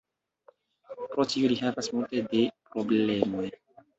Pro tio li havas multe de problemoj.